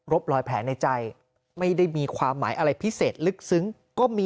รอยแผลในใจไม่ได้มีความหมายอะไรพิเศษลึกซึ้งก็มี